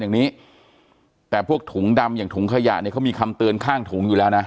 อย่างนี้แต่พวกถุงดำอย่างถุงขยะเนี่ยเขามีคำเตือนข้างถุงอยู่แล้วนะ